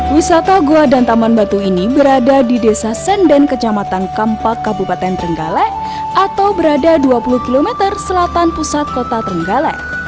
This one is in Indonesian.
wisata goa dan taman batu ini berada di desa senden kecamatan kampak kabupaten trenggalek atau berada dua puluh km selatan pusat kota trenggalek